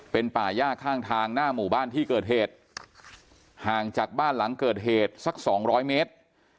เป็นป่าย่าข้างทางหน้าหมู่บ้านที่เกิดเหตุห่างจากบ้านหลังเกิดเหตุสักสองร้อยเมตร